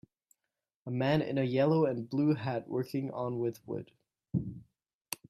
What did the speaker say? A man in a yellow and blue hat working on with wood.